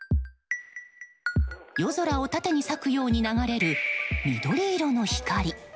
夜空を縦に裂くように流れる緑色の光。